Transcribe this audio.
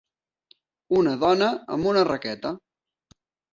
Una dona amb una raqueta.